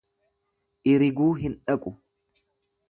Iriguu hin dhaqu.